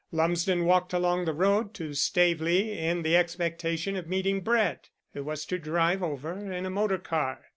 Lumsden walked along the road to Staveley in the expectation of meeting Brett, who was to drive over in a motor car.